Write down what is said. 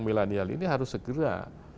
milenial ini harus segera